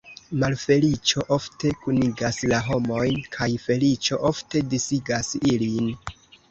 Malfeliĉo ofte kunigas la homojn, kaj feliĉo ofte disigas ilin.